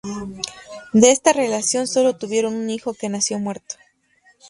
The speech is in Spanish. De esta relación solo tuvieron un hijo, que nació muerto.